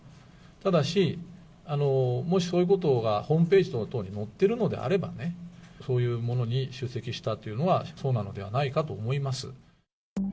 ただし、もしそういうことがホームページ等々に載っているのであればね、そういうものに出席したというのは、そうなのではないかと思います。